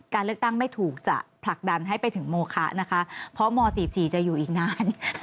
การเลือกตั้งไม่ถูกจะผลักดันให้ไปถึงโมคะนะคะเพราะม๔๔จะอยู่อีกนาน